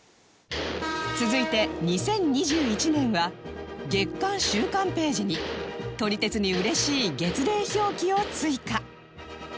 続いて２０２１年は月間・週間ページに撮り鉄に嬉しい月齢表記を追加